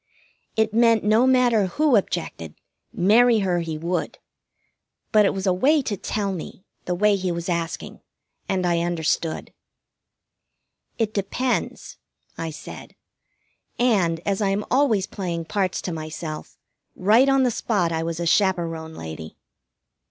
It meant no matter who objected, marry her he would; but it was a way to tell me the way he was asking, and I understood. "It depends," I said, and, as I am always playing parts to myself, right on the spot I was a chaperon lady.